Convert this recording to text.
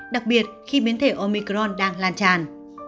đặc biệt khi biến thể omicron đang lan tràn